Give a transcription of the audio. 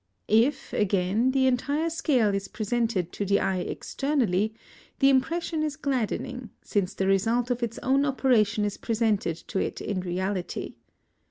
If, again, the entire scale is presented to the eye externally, the impression is gladdening, since the result of its own operation is presented to it in reality.